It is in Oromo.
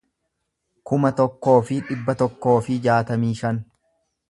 kuma tokkoo fi dhibba tokkoo fi jaatamii shan